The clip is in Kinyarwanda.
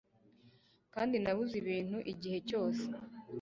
Kandi nabuze ibintu igihe cyose